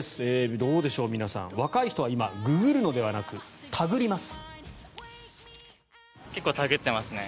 どうでしょう、皆さん若い人は今ググるのではなくタグります。